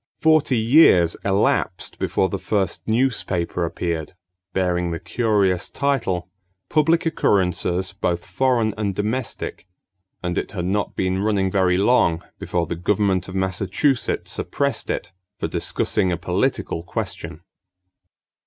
Forty years elapsed before the first newspaper appeared, bearing the curious title, Public Occurrences Both Foreign and Domestic, and it had not been running very long before the government of Massachusetts suppressed it for discussing a political question.